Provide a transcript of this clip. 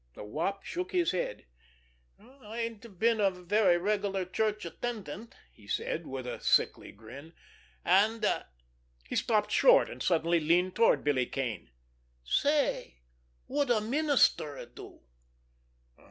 The Wop shook his head. "I ain't been a very regular church attendant," he said, with a sickly grin, "and——" He stopped short, and suddenly leaned toward Billy Kane. "Say, would a minister do?"